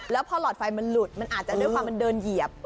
แล้วพอหลอดไฟมันหลุดมันอาจจะด้วยความมันเดินเหยียบ